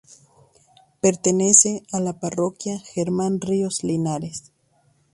Pertenece a la parroquia Germán Ríos Linares.